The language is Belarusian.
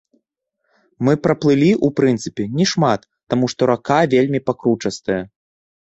Мы праплылі, у прынцыпе, не шмат, таму, што рака вельмі пакручастая.